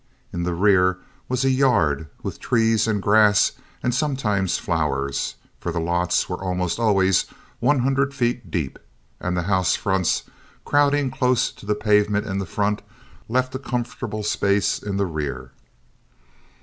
In the rear was a yard, with trees and grass and sometimes flowers, for the lots were almost always one hundred feet deep, and the house fronts, crowding close to the pavement in front, left a comfortable space in the rear.